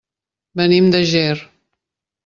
Venim de Ger.